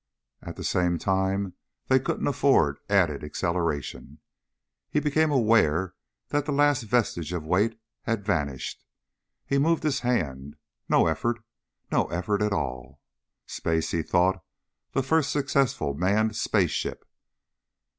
At the same time, they couldn't afford added acceleration. He became aware that the last vestige of weight had vanished. He moved his hand. No effort. No effort at all. Space, he thought, the first successful manned space ship.